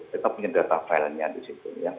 kita punya data filenya di situ